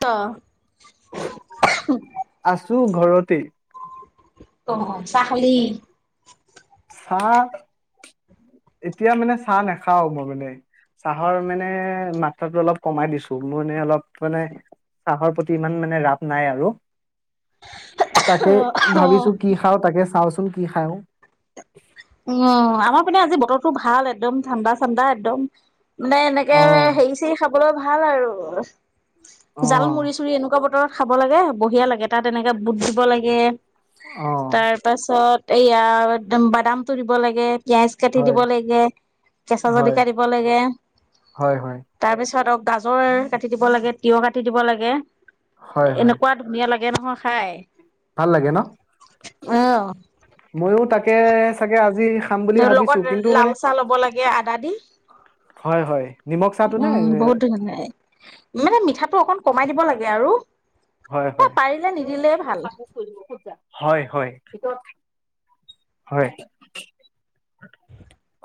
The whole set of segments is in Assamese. ত‌ আছো ঘৰতেই অ অ পাহৰিলি চাহ এতিয়া মানে চাহ নাখাঁও মই মানে চাহৰ মানে মাত্ৰাটো অলপ কমাই দিছো মোৰ মানে অলপ মানে চাহৰ প্ৰতি ইমান মানে ৰাপ নাই আৰু তাকে অ', অ', ভাবিছো কি খাওঁ তাকে চাওঁ নতুন কি খাওঁ উম আমাৰ মানে আজি ব বতৰো ভাল একদম ঠাণ্ডা ঠাণ্ডা একদম মানে এনেকে অ হেৰি চেৰি খাবলৈ ভাল ভাল আৰু অ জাল মুৰি চুৰি এনেকুৱা বতৰত খাব লাগে বঢ়িয়া লাগে তাত এনেকে বুট দিব লাগে অ তাৰ পাছত এইয়াত একদম বাদামতো দিব লাগে পিয়াঁজ কাটি দিব হয় লাগে কেঁচা হয় জলকীয়া দিব লাগে হয় হয় তাৰপিছত অ গাজৰৰ কাটি দিব লাগে তিয়হ কাটি দিব লাগে হয় হয় এনেকুৱা ধুনীয়া লাগে লাগে নহয় খাই ভাল লাগে ন অ'। ময়ো তাকে তাকে চাগে আজি খাম বুলি ধৰ ভাবিছো লগত কিন্তু মানে লাল চাহ লব লাগে আদা দি হয় হয় নিমখ চাহটো নে উম বহুত ধুনীয়া মানে মিঠাটো অকণ কমাই দিব লাগে আৰু হয় হয় পাৰিলে নিদিলে ভাল ঐকাপোৰ খুলিব ভিতৰতলৈ যোৱা হয় হয় ভিতৰত হয়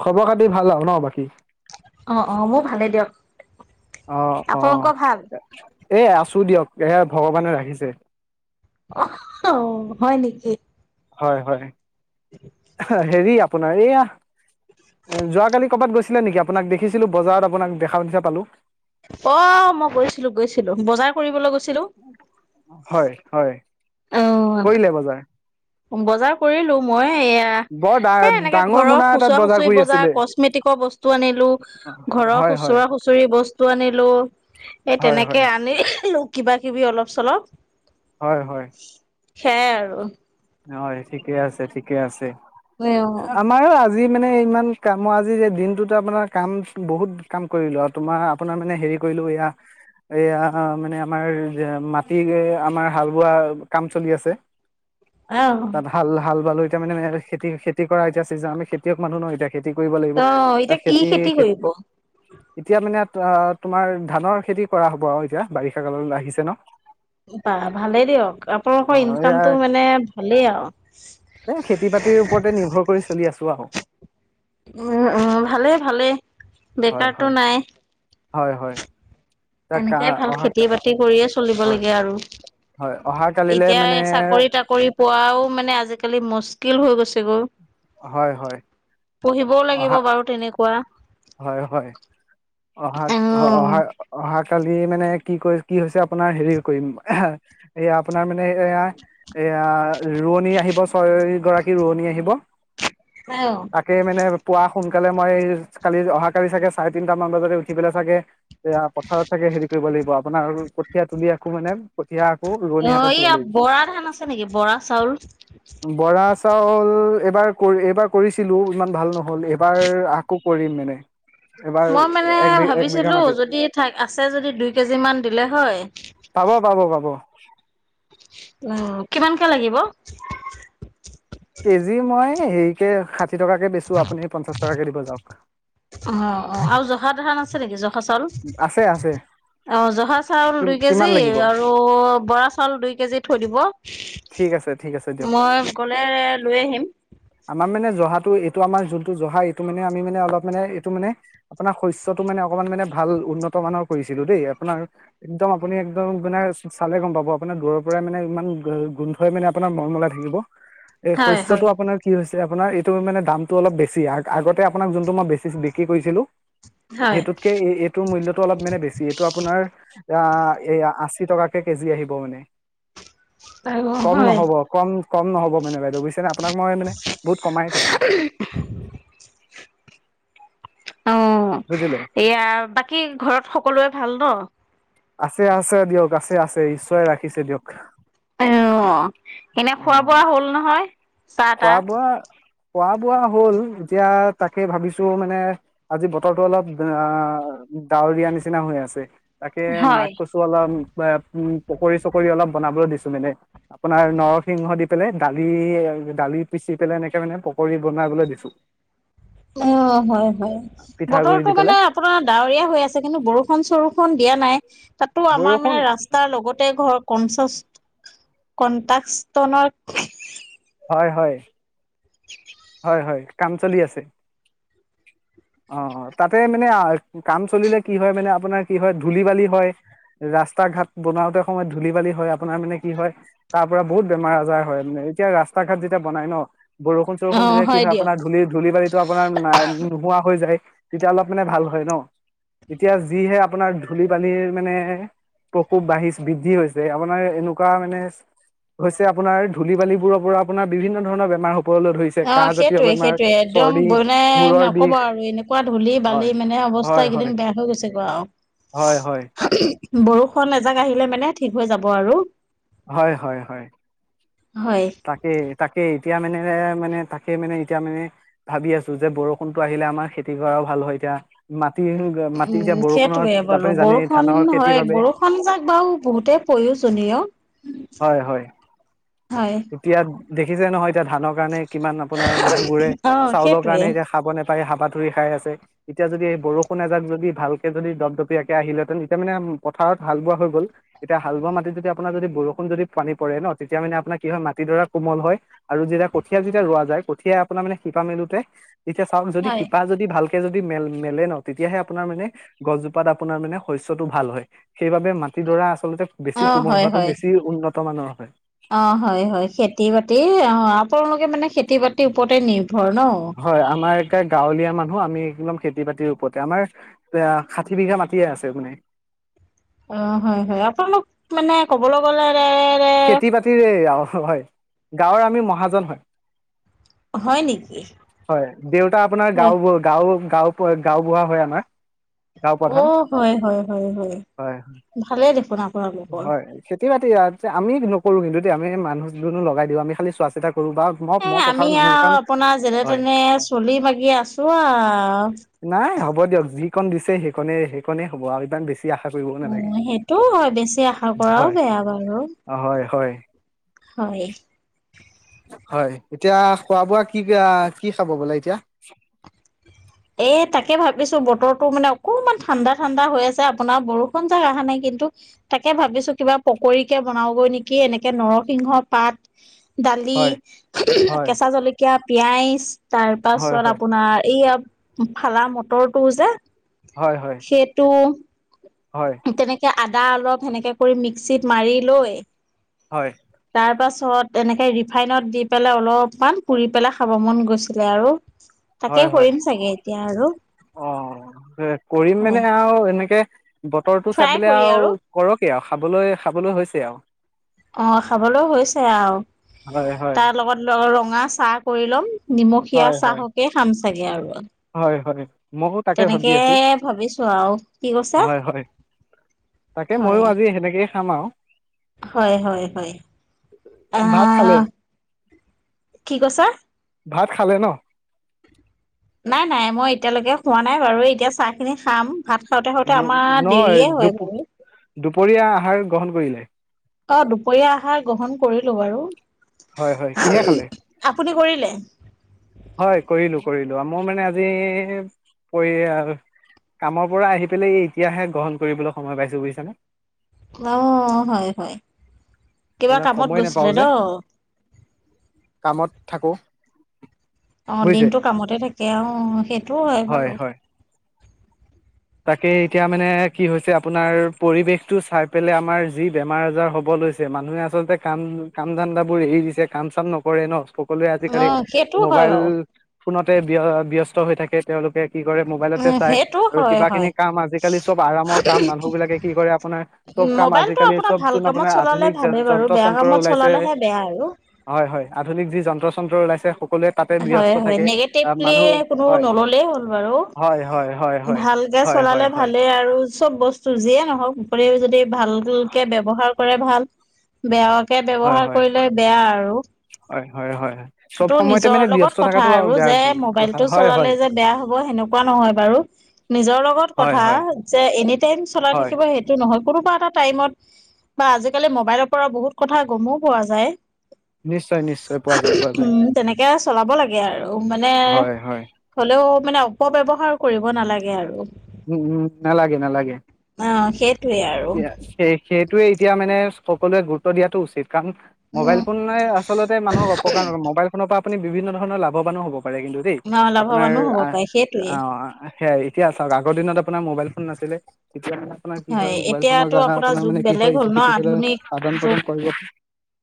খবৰ খাতি ভাল আৰু ন বাকী অ অ মোৰ ভালে দিয়ক অ অ আপোনালোক ভাল এ আছো দিয়ক এ ভগৱানে ৰাখিছে অ হু হু হয় নেকি হয় হয় হেৰি আপুনি। এইয়া যোৱাকালি কৰ'বাত গৈছিলে নেকি আপোনাক দেখিছিলো বজাৰত আপোনাক দেখা নিচিনা পালো। অ' মই গৈছিলো গৈছিলো বজাৰ কৰিবলৈ গৈছিলো। হয় হয় কৰিলে বজাৰ। বজাৰ কৰিলো মই। বৰ ডা সেয়া এ এনেকে ডাঙৰ ঘৰৰ মোনা এটাত খুচুৰা খুচৰি কৰি বজাৰ আছিলে কচমেটিকৰ বস্তু আনিলো ঘৰৰ হয় হয় খুচুৰা খুচৰি বস্তু আনিলো এই হয় হয় তেনেকে আনিলো। কিবা কিবি অলপ চলপ। হয়- হয় সেয়াই আৰু ন ঠিকে আছে ঠিকে আছে। উ, আমাৰো আজি মানে ইমান কাম আজি যে দিনটোত আপোনাৰ কাম বহুত কাম কৰিলো আৰু তোমাৰ আপোনাৰ মানে হেৰি কৰিলো এয়া- এয়া মানে আমাৰ মাটি আমাৰ হাল বোৱা কাম চলি আছে। তাত হাল -হাল বালো। এতিয়া মানে আমি খেতি- খেতি কৰা এতিয়া ছিজন আমি খেতিয়ক মানহ ন' এতিয়া। খেতি কৰিব লাগিব অ তাক এতিয়া কি খেতি- খেতি কৰিব এতিয়া মানে তোমাৰ ধানৰ খেতি কৰা হব আৰু এতিয়া বাৰিষা কাললৈ আহিছে ন' বা ভালে দিয়ক আপোনালোকৰ নহয় ইনকামটো মানে। মানে ভালেই আৰু এ খেতি বাতিৰ ওপৰতে নিৰ্ভৰ কৰি চলি আছো আৰু উম উ ভালে ভালে হয় হয় বেকাৰতো নাই। হয় - হয়। তাক এনেকে ভাল অহা খেতি -বাতি কৰি আছো। চলিব হয় লাগে আৰু। হয় অহা কালিলে এতিয়া মানে চাকৰি তাকৰি পোৱাও মানে আজিকালি মষ্ট। কিল গৈছে গৈ। হয় হয় পঢ়িবও অহা লাগিব বাৰু তেনেকুৱা। হয় হয় অহা অ' উম, অহা অহাাকালি মানে কি কৰি কি হৈছে আপোনাৰ হেৰি কৰিম এইয়া আপোনাৰ মানে এয়া -এয়া ৰোৱনী আহিব ছয় গৰাকী ৰোৱনী আহিব। অ', তাকে মানে পোৱা। সোনকালে মই কালি অহাাকালি চাগে চাৰে তিনি দুটামান বজাতে উঠি পেলাই চাগে। এয়া পথাৰত থাকে হেৰি। কৰিব লাগিব আপোনাৰ কঠীয়া তুলি আখো মানে। কঠীয়া আকৌ ৰোৱনী অঁ, হাতত দিব এইয়া লাগিব। বৰা ধান আছে নেকি, বৰা চাউল? চাল এবাৰ কৰি এইবাৰ কৰিছিলো, ইমান ভাল নহ'ল, এবাৰ আকৌ কৰিম মানে। এবাৰ মই মানে এক বি এক বিঘা ভাবিছিলোঁ মাটিত যদি থা আছে যদি, দুই কেজি মমান দিলে হয়। পাব পাব [inaudible] উম, কিমানকৈ লাগিব? কেজি মই হেৰিকে ষাঠি ষঠি টকাকৈ বেচোঁ, আপুনি সেই পঞ্চাছ টকাকে দিব যাওক। [unintelligible] [unintelligible] আছে আছে [unintelligible] অঁ জহা চাউল কি দুই কিমান কেজি, লাগিব আৰু বৰা চাউল দুই কেজি থৈ দিব, ঠিক আছে ঠিক আছে দিয়ক মই গ'লে লৈ আহিম। আমাৰ মানে জহাটো এইটো আমাৰ যোনটো জহা এইটো মানে আমি মানে অলপ মানে এইটো মানে আপোনাৰ শস্তটো মানে অকণমান মানে ভাল উন্নত মানৰ কৰিছিলো দেই। আপোনাৰ, একদম আপুনি একদম মানে চালে গম পাব আপোনাৰ দূৰৰ পৰাই মানে ইমান গোন্ধই মানে আপোনাৰ মৰমলাই থাকিব। এই হয়, শস্যটো হয়, আপোনাৰ কি হৈছে আপোনাৰ এইটো মানে দামতটো অলপ বেছি, আগতে আপোনাক যোনটো মই বেছি বিক্ৰী কৰিছিলো! হয়। সেইটোতকে এ মূলটো অলপ মানে বেছি, এইটো আপোনাৰ আশী টকাকে কেজি আহিব মানে। আৰু কম হয়, নহব, কম কম নহব মানে বাইে বুজছে নে' আপোনাক মই মানে বহুত কমাই কৈছো। অঁ, বুজিলে এয়া বাকী ঘৰত সকলোৱে ভাল ন? আছে আছে দিয়ক, আছে আছে ঈশ্বৰে ৰাখিছে দিয়ক আঁ, এনে অ খোৱা বোৱা হ'ল নহয় চাহ খোৱা তাহ বোৱা খোৱা বোৱা হ'ল, এতিয়া তাকে ভাবিছো মানে, আজি বতৰটো অলপ ডাৱৰীয়া নিচিনা হৈ আছে, তাকে মাক হয়। কচু অলপ উম পকৰি চকৰি অলপ বনাবলৈ দিছো মানে, আপোনাৰ নৰসিংহ দি পলে দালি দালি পিচি পেলাই এনেকে মানে পকৰী বনাবলৈ দিছো। অঁ, হয় হয়, পিঠাগুৰি বতৰটো দি মানে পেলাই আপোনাৰ ডাৱৰীয়া হৈ আছে কিন্তু বৰষুণ চৰ ফোন দিয়া নাই তাতো আমাৰ বৰষুণ মানে ৰাস্তাৰ লগতে ঘৰ, কনচ কনটাকছকনৰ হয় হয়। হয় হয়, কাম চলি আছে, অঁ তাতে মানে আ কাম চলিলে কি হয় মানে আপোনাৰ কি হয়, ধুলি বালি হয়, ৰাস্তা ঘাট বনাওতে সময়ত ধূলি বালি হয়, আপোনাৰ মানে কি হয়, তাৰ পৰা বহুত বেমাৰ আজাৰ হয় মানে, এতিয়া ৰাস্তা ঘাট যেতিয়া বনায় ন, গো বৰুষুণ অ', দিলে কি হয়, দিয়ক। আপোনাৰ ধূলি ধূলি বালি আপোনাৰ নোহোৱা হৈ যায়, তেতিয়া অলপ মানে ভাল হয় ন। এতিয়া যিহে আপোনাৰ ধূলি বালীৰ মানে প্ৰকোপ বাঢ়ি বৃদ্ধি হৈছে, আপোনাৰ এনেকুৱা মানে, হৈছে আপোনাৰ ধূলি বালিবোৰৰ পৰা আপোনাৰ বিভিন্ন ধৰণৰ বেমাৰ ওপৰলৈ অঁ, সেইটোৱে সেইটোৱে, একদম মানে মূৰৰ বিষ নকব আৰু এনেকুৱা ধূলি বালি হয়, মানে হয়, অৱস্থা এইকেইদিন হয়, বেয়া হৈ গৈছে গ হয়, হয়, আৰু, বৰষুণ এজাক আহিলে মানে ঠিক হৈ যাব আৰু হয় হয় হয়। হয় তে তাকে। [unintelligible] এতিয়া মানে, মানে তাকে মানে এতিয়া মানে ভাবি আছো যে বৰষুণটো আহিলে আমাৰ খেতি কৰা ভাল হয় এতিয়া মাটি। মাটি উম যে বৰষুণত সেইটোৱে বোলো আপুনি জানেই বৰষুণ ধানৰ খেতিৰ হয় বাবে বৰষুণ যাক বাৰু বহুতেই প্ৰয়োজনীয় হয়, হয়। হয় এতিয়া দেখিছে নহয় এতিয়া ধানৰ কাৰণে কিমান আপোনাৰ মানুহ বোৰে অ চাউলৰ সেইটোৱে কাৰণে এতিয়া খাব ন পাই হাবা ধুৰি খাই আছে এতিয়া যদি এই বৰষুন এজাক যদি ভালকে যদি দপদপি আাকে আহিলেহেতেন এতিয়া মানে পথাৰত হাল বোৱা হৈ গ'ল এতিয়া হাল বোৱা মাটিত যদি আপোনাৰ যদি বৰষুণ যদি পানী পৰে ন তেতিয়া মানে আপোনাক কি হয় মাটিডৰা কোমল হয় আৰু যেতিয়া কঠীয়া যেতিয়া ৰোৱা যায় কঠিয়াই আপোনাৰ মানে শিপা মেলোতে তেতিয়া চাওক যদি হয় শিপা যদি ভাল যদি মেল মেলে ন তেতিয়াহে আপোনাৰ মানে গছজোপাত আপোনাৰ মানে শস্যটো ভাল হয় সেইবাবে মাটিডৰা আছে আচলতে বেছি অ কোমল হয় হোৱাাতটো হয় বেছি উন্নত বৰ্তমানৰ হয় অ হয় হয় খেতি বাতি অ আপোনোলোকে মানে খেতি বাতিৰ ওপৰতে নিয় হয় আমাৰ গাঁৱলীয়া মানুহ আমি এইম খেতি বাতিৰ ওপৰতে আমাৰ এ ষাঠি বিঘা মাটিয়ে আছে মানে অ হয় হয় আপোনালোক মানে ক'বলৈ গ'লে খেতি বাতিৰে হয়। গাঁৱৰ আমি মহাজন হয়। হয় নেকি? হয় দেউতা আপোনাৰ হয় গাও গাও গাঁও প গাও বুঢ়া হয় আমাৰ গাঁও অ প্ৰধান হয় হয় হয় হয় ভালে দেখোন। [inaudible] হয় খেতি বাতি আৰু আমি নকৰো কিন্তু দেই আমি মানুহজনো লগাই দিওঁ আমি খালি চোৱা চিতা কৰো বা মই এ মই আমি পথাৰত নামো কাৰণ আৰু আপোনাৰ যেনে হয় তেনে চলি মাগি আছো আৰু। নাই হ'ব দিয়ক যিকণ দিছে সেইকণেই সেইকণেই হ'ব আৰু ইমান বেছি আশা কৰিবও অ নালাগে সেইটো হয় বেছি আশা কৰাও হয় বেয়া বাৰু হয় হয় হয় হয় এতিয়া খোৱা বোৱা কি কি খাব বোলে এতিয়া? এ তাকে ভাবিছো বতৰটো মানে অকমান ঠাণ্ডা ঠাণ্ডা হৈ আছে আপোনাৰ বৰষুণ যাক অহা নাই কিন্তু তাকে ভাবিছো কিবা পকৰীকে বনাওগৈ নেকি এনেকে নৰসিংহ পাত দালি হয় ওমহ হয় কেঁচা জলকীয়া পিয়াইজ তাৰ হয় পাছত হয় আপোনাৰ এইয়া ফালা মটৰটো যে হয় হয় সেইটো হয় তেনেকে আদা অলপ সেনেকে কৰি মিক্সিত মাৰি লৈ হয় তাৰ পা ছত এনেকৈ ৰিফাইনত দি পেলাই অলপমান পুৰি পেলাই খাব মন গৈছিলে আৰু হয় তাকে হয় কৰিম চাগে এতিয়া আৰু উ কৰিম হয় মানে আৰু এনেকে বতৰটো ফ্ৰাই চাপিলে কৰি আও আৰু কৰক কি আও খাবলৈ খাবলৈ হৈছে আও অ খাবলৈও হৈছে আও হয় হয় তাৰ লগত ৰং ৰঙা চাহ কৰি ল'ম নিমখীয়া হয় হয় চাহকে খাম চাগে আৰু হয় হয় ময়ো তাকে ভাবি তেনেকে আছো ভাবিছো আৰু কি কৈছা হয় হয় তাকে ময়ো হয় আজি সেনেকেই খাম আও হয় হয় হয় ভাত খালে আহ কি কৈছা ভাত খালে ন নাই নাই মই এতিয়ালৈকে খোৱা নাই বাৰু এতিয়া চাহ খিনি খাম ভাত খাওঁতে খাওঁতে আমাৰ নহয় দেৰিয়ে হয় দু বাৰু দুপৰীয়া আহাৰ গ্ৰহণ কৰিলে অ দুপৰীয়া আহাৰ গ্ৰহণ কৰিলো বাৰু হয় হয় কিহে খালে হাম আপুনি কৰিলে হয় কৰিলো কৰিলো মই মানে আজি পৰি কামৰ পৰা আহি পেলাই এতিয়াহে গ্ৰহণ কৰিবলৈ সময় পাইছো বুজিছানে অ হয় হয় কিবা না কামত সময় গৈছিলে নাপাওঁ ন যে কামত থাকো কে অ দিনতটো কামতে থাকে আহ সেইটোও হয় বাৰু তাকে এতিয়া মানে কি হৈছে আপোনাৰ পৰিৱেশটো চাই পেলাই আমাৰ যি বেমাৰ আজাৰ হবল লছে মানুহে আচলতে কাম কাম ধান্দাবোৰ এৰি দিছে কাম চাম নকৰে ন সকলোৱে আজি অ কালি সেইটো হয় মোবাইল বাৰু ফোনতে বিয়ষ্ট হৈ থাকে তেওঁলোকে কি কৰে মোবাইলতে উ চাই সেইটো আৰু হয় কিবা খিনি হয় কাম আজিকালি চব আৰামৰ কাম মানুহ বিলাকে কি কৰে আপোনাৰ চব কাম মোবাইলটো আজিকালি আপোনাৰ চব ভাল যোন কামত আপোনাৰ চলালে আধুনিক য ভালেই বাৰু যন্ত্ৰ বেয়া চন্ত্ৰ কামত ওলাইছে চলালেহে বেয়া আৰু হয় হয় আধুনিক যি যন্ত্ৰ চ্ৰ ওলাই [unintelligible] সকলোৱ তাতে হয় ব্যস্ত হয় থাকে আহ নিগেটিভলি মানুহ কোনো হয় নললেই হয় হয় হয় হয় জা হয় হয় চলালে হয় ভালে আৰু চব বস্তু যিয়ে নহওকৰিও যদি ভালকে ব্যৱহাৰৰ কৰে ভাল বেয়া তাকে হয় ব্যৱহাৰ হয় কৰিলে বেয়া আৰু হয় হয় হয় চব এইটো সময়তে নিজৰ মানে ব্যস্ত লগত কথা থকাটো আৰু বেয়া যে কথা মোবাইলতটো হয় চলালে হয় যে বেয়া হ'ব সেনেকুৱা নহয় বাৰু নিজৰ লগত হয় কথা হয় যে এনি টাইম চলাই হয় থাকিব সেইটো নহয় কোনোবা এটা টাইমত বা আজিকালি মোবাইলৰ পৰা বহুত কথা গমো পোৱা যায় নিশ্চয় নিশ্চয় পোৱা যায় পোৱা যায় উম তেনেকে আছে চলাব লাগে আৰু মানে হয় হয় হ'লেও মানে অপৱ্যহাৰ কৰিব নালাগে আৰু [unintelligible] উম উম নালাগে নালাগে অ সেই তিয়া সেই খে য়ে এতিয়া মানে সকলোৱে গুৰুত্ব দিয়াটো উচিত কাৰণ মোবাইল উম ফোনে আচলতে মানুহক অপকাৰ মোবাইল ফোনৰ পৰা আপুনি বিভিন্ন ধৰণৰ লাভাবানো হব ন্তু দেই অ আপোনাৰ লাভৱানো হ'ব পাৰে সেইটোৱে সে এতিয়া চাওক আগ দিনত আপোনাৰ মোবাইল ফোন নাছিলে তেতিয়া কি হয় মোবাইল ফোনৰ এতিয়াতো দ্বাৰা আপোনাৰ যুগ মানে কি বেলেগ হয় হ'ল ইটো ন সিটোৰ দ আধুনিক আদান যুগ প্ৰদান কৰিব [unintelligible]